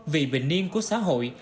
vì bình niên của xã hội